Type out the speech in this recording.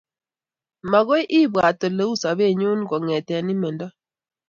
magoi ibwat ole uu sobennyu kongetee imeto